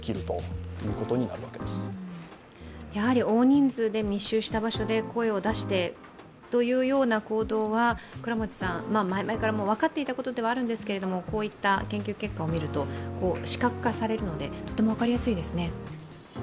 大人数で密集した場所で声を出してというような行動は前々から分かっていたことではあるんですけど、こういった研究結果を見ると視覚化されるので、とても分かりやすいですね。